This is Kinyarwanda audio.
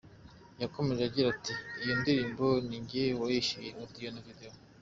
Yakomeje agira ati, Iyo ndirimbo ni njye wayishyuye audio na Video.